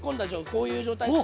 こういう状態で。